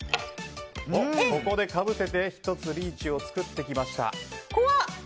ここでかぶせて１つリーチを作ってきました。